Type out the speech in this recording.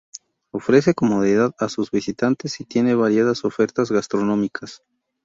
Ofrece comodidad a sus visitantes y tiene variadas ofertas gastronómicas.